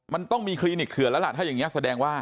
มันต้องมีคลินิกเขื่อนแล้วล่ะถ้าอย่างนี้แสดงว่า